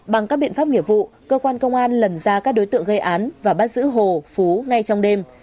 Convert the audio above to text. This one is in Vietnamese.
bằng các biện pháp nghiệp vụ cơ quan công an lần ra các đối tượng gây án và bắt giữ hồ phú ngay trong đêm